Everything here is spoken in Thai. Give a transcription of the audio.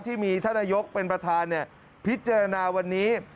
ที่มีท่านนายกเป็นประธานพิจารณาวันนี้